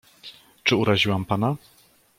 "Czy uraziłam pana?"